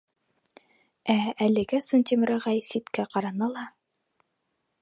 Ә әлегә Сынтимер ағай ситкә ҡараны ла: